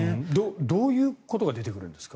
どういうことが出てくるんですか？